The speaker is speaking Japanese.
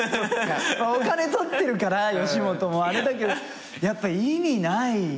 お金取ってるから吉本もあれだけどやっぱ意味ない。